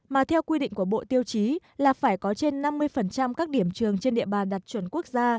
mà theo quy định của bộ tiêu chí là phải có trên năm mươi các điểm trường trên địa bàn đạt chuẩn quốc gia